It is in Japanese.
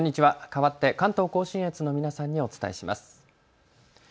かわって関東甲信越の皆さんにお伝えします。